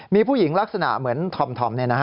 มีผู้หญิงลักษณะเหมือนธอม